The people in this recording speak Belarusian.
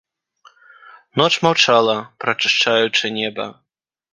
Ноч маўчала, прачышчаючы неба.